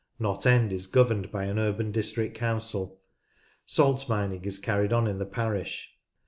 Knott End is governed by an urban district council. Salt mining is carried on in the parish.